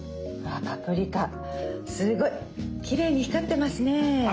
「パプリカすごいきれいに光ってますね」。